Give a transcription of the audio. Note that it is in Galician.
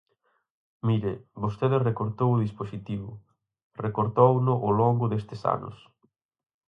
Mire, vostede recortou o dispositivo, recortouno ao longo destes anos.